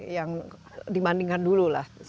yang dibandingkan dulu lah